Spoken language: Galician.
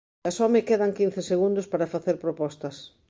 Xa só me quedan quince segundos para facer propostas.